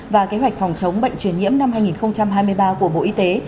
và kế hoạch phòng chống bệnh truyền nhiễm năm hai nghìn hai mươi ba của bộ y tế